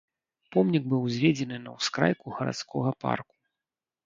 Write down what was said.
Помнік быў узведзены на ўскрайку гарадскога парку.